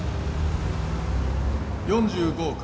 ４５億